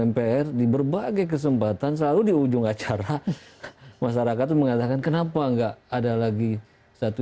mpr di berbagai kesempatan selalu di ujung acara masyarakat mengatakan kenapa enggak ada lagi satu